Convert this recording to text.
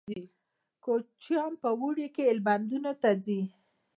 کوچیان په اوړي کې ایلبندونو ته ځي